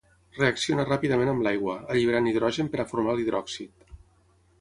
Reacciona ràpidament amb l'aigua, alliberant hidrogen per a formar l'hidròxid.